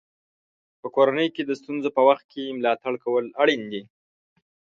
په کورنۍ کې د ستونزو په وخت کې ملاتړ کول اړین دي.